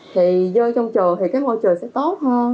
thì vô trong trường thì cái môi trường sẽ tốt hơn